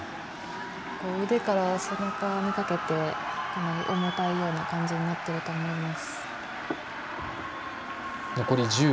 腕から背中にかけてかなり重たいような感じになっていると思います。